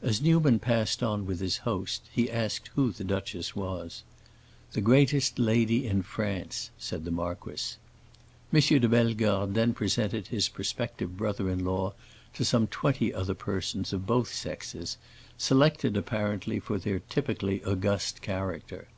As Newman passed on with his host, he asked who the duchess was. "The greatest lady in France," said the marquis. M. de Bellegarde then presented his prospective brother in law to some twenty other persons of both sexes, selected apparently for their typically august character.